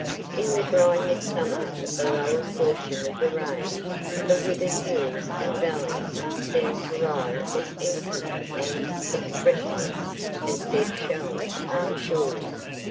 In the dry midsummer of the lower portion of the range the withered hills and valleys seem to lie as empty and expressionless as dead shells on a shore.